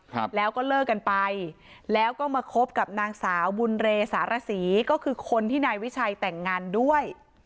ครับแล้วก็เลิกกันไปแล้วก็มาคบกับนางสาวบุญเรสารศรีก็คือคนที่นายวิชัยแต่งงานด้วย